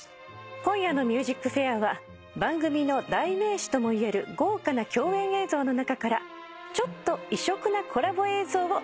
今夜の『ＭＵＳＩＣＦＡＩＲ』は番組の代名詞ともいえる豪華な共演映像の中からちょっと異色なコラボ映像をたっぷりとお送りします。